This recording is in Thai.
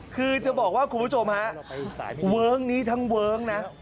คือจะบอกว่าคุณผู้ชมฮะเวิ้งนี้ทั้งเวิ้งนะ